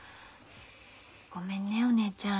ごめんねお姉ちゃん。